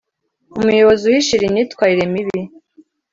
umuyobozi uhishira imyitwarire mibi